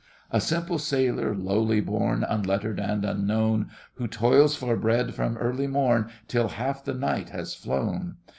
A simple sailor, lowly born, Unlettered and unknown, Who toils for bread from early mom Till half the night has flown!